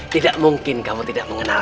tidak mungkin kamu tidak mengenal